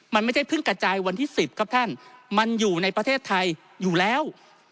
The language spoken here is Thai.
มันไม่ใช่เพิ่งกระจายวันที่๑๐ครับท่านมันอยู่ในประเทศไทยอยู่แล้ว